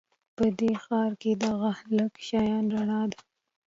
په دې ښار کې دغه لږه شان رڼا ده